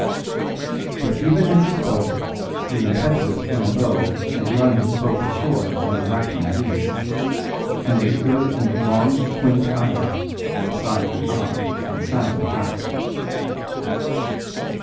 But even as he spoke the impetuous Flambeau had run his boat ashore in the rattling reeds, and they stood in the long, quaint islet beside the odd and silent house.